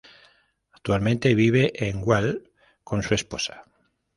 Actualmente vive en Guelph con su esposa.